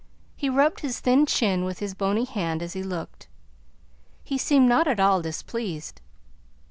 He rubbed his thin chin with his bony hand as he looked. He seemed not at all displeased.